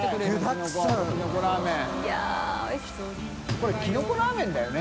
これキノコラーメンだよね？